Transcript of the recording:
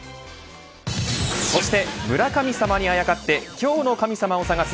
そして、村神様にあやかって今日の神様を探す